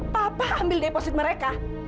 papa ambil deposit mereka